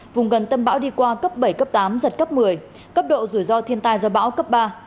vùng gần tâm bão đi qua cấp bảy cấp tám giật cấp một mươi cấp độ rủi ro thiên tai do bão cấp ba